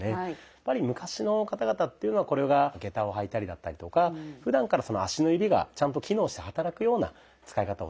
やっぱり昔の方々っていうのはこれが下駄を履いたりだったりとかふだんから足の指がちゃんと機能して働くような使い方をしてると。